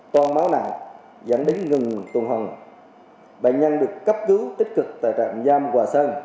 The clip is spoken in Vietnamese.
to máu nặng dẫn đến ngừng tuần hồng bệnh nhân được cấp cứu tích cực tại trạm giam hòa sơn